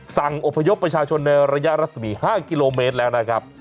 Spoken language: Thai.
อพยพประชาชนในระยะรัศมี๕กิโลเมตรแล้วนะครับ